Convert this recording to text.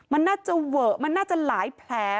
มันน่าจะเวอะมันน่าจะหลายแผล